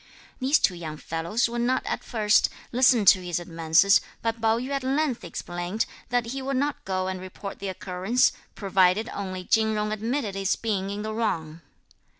These two young fellows would not at first listen to his advances, but Pao yü at length explained that he would not go and report the occurrence, provided only Chin Jung admitted his being in the wrong.